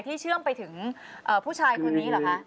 เชื่อมไปถึงผู้ชายคนนี้เหรอคะ